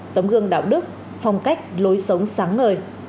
tấm gương đạo đức phong cách lối sống sáng ngời